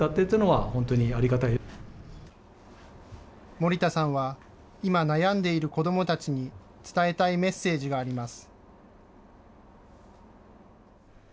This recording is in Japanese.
森田さんは、今、悩んでいる子どもたちに伝えたいメッセージがあります。